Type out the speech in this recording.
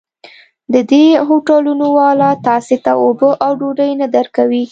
د دې هوټلونو والا تاسې ته اوبه او ډوډۍ نه درکوي.